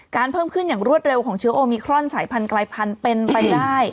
เพิ่มขึ้นอย่างรวดเร็วของเชื้อโอมิครอนสายพันธลายพันธุ์เป็นไปได้